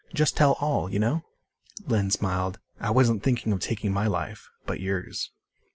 Just tell all you know?" Lynn smiled. "I wasn't thinking of taking my life. But yours."